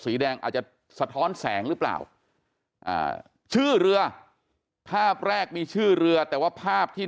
สีแดงอาจจะสะท้อนแสงหรือเปล่าชื่อเรือภาพแรกมีชื่อเรือแต่ว่าภาพที่